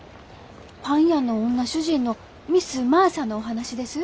パン屋の女主人のミス・マーサのお話です。